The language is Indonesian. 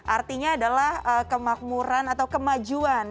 artinya adalah kemakmuran atau kemajuan